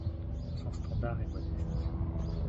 Son standard est modeste.